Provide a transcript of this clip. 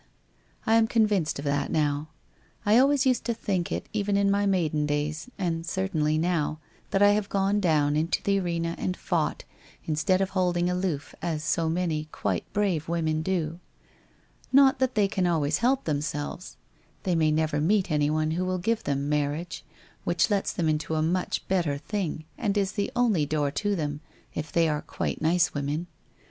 I am convinced of that now. I always used to think it, even in my maiden days, and certainly now, that I have gone down into the arena and fought, instead of holding aloof as so many quite brave women do. Xot that they can always help themselves! They may never meet anyone who will give them Mar riage, which lets them into a much better thing and is the only door to it if they are quite nice women.